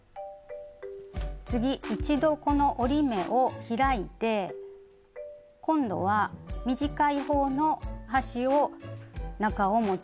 次一度この折り目を開いて今度は短い方の端を中表に合わせます。